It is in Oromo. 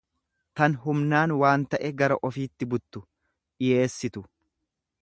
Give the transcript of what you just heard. tan humnaan waan ta'e gara ofiitti buttu, dhiyeessitu.